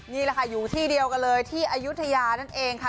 นี่แหละค่ะอยู่ที่เดียวกันเลยที่อายุทยานั่นเองค่ะ